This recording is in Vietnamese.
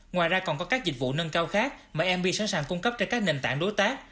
ngoài ra còn có các dịch vụ nâng cao khác mà mb sẵn sàng cung cấp cho các nền tảng đối tác